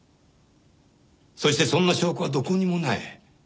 そしてそんな証拠はどこにもない。